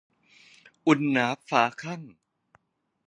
อุ่นหนาฝาคั่ง